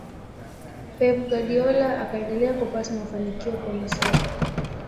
pep guardiola akaendelea kupata mafanikio kwenye soka